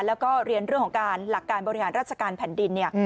แล้วก็เรียนเรื่องของการหลักการบริหารราชการแผ่นดินเนี่ย